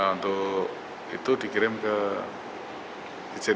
untuk itu dikirim ke